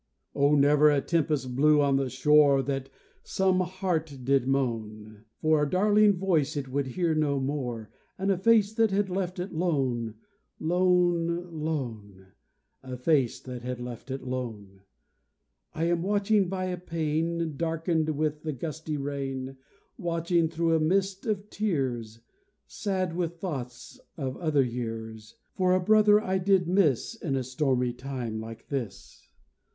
Oh! never a tempest blew on the shore But that some heart did moan For a darling voice it would hear no more And a face that had left it lone, lone, lone A face that had left it lone! I am watching by a pane Darkened with the gusty rain, Watching, through a mist of tears, Sad with thoughts of other years, For a brother I did miss In a stormy time like this.